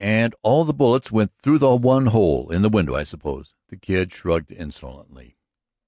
And all the bullets went through the one hole in the window, I suppose?" The Kid shrugged insolently.